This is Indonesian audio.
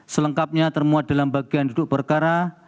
selengkapnya termuat dalam bagian duduk perkara